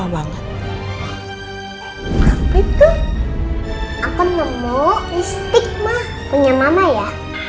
oh lipstick mah punya mama ya